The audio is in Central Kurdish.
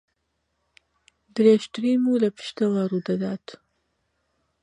درێژترین موو لە پشتەوە ڕوو دەدات